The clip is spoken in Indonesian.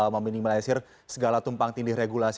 meminimalisir segala tumpang tindih regulasi